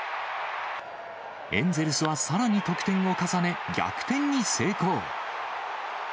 エンゼルスはさらに得点を重ね、逆転に成功。